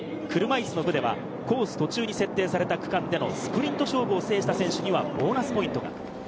車いすの部ではコース途中に設定された区間でのスプリント勝負を制した選手にはボーナスポイント。